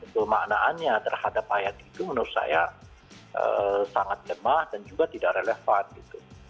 kemaknaannya terhadap ayat itu menurut saya sangat lemah dan juga tidak relevan gitu